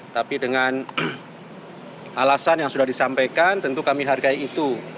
tapi dengan alasan yang sudah disampaikan tentu kami hargai itu